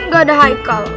gak ada heikal